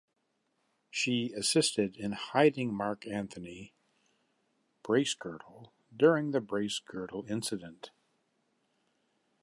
She assisted in hiding Mark Anthony Bracegirdle during the Bracegirdle incident.